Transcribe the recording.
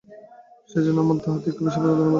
সে জন্য আমরা তাঁহাদিগকে বিশেষভাবে ধন্যবাদ জানাইতেছি।